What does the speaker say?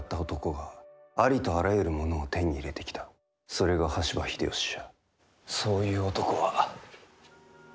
それが羽柴秀吉じゃ。